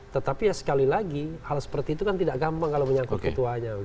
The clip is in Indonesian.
tetapi ya sekali lagi hal seperti itu kan tidak gampang kalau menyangkut ketuanya